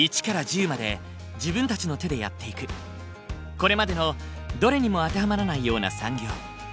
これまでのどれにも当てはまらないような産業。